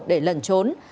để lần trốn